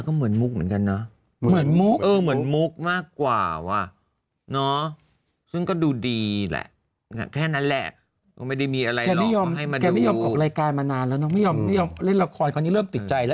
จริงไม่เข้าใจไอ้เรื่องเวลาอีกเรื่องไงแต่ว่าถามว่าความรู้สึกอยากเล่นไหม